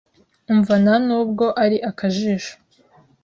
Umva, nta nubwo ari akajisho